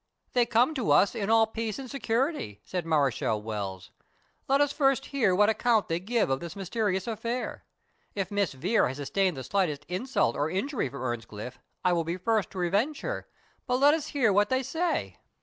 "They come to us in all peace and security," said Mareschal Wells; "let us first hear what account they give us of this mysterious affair. If Miss Vere has sustained the slightest insult or injury from Earnscliff, I will be first to revenge her; but let us hear what they say."